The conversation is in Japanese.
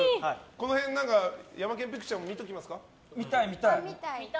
この辺、ヤマケン・ピクチャーも見ときますか。